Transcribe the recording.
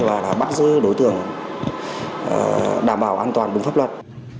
và đã bắt giữ đối tượng đảm bảo an toàn đúng pháp luật